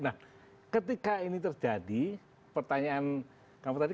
nah ketika ini terjadi pertanyaan kamu tadi